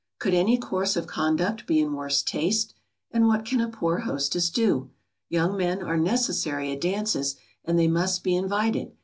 Could any course of conduct be in worse taste? And what can a poor hostess do? Young men are necessary at dances, and they must be invited.